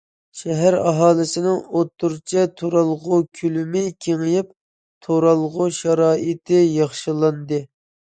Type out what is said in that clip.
شەھەر ئاھالىسىنىڭ ئوتتۇرىچە تۇرالغۇ كۆلىمى كېڭىيىپ، تۇرالغۇ شارائىتى ياخشىلاندى.